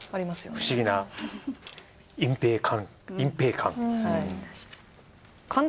不思議な隠ぺい感。